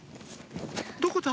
「どこだ？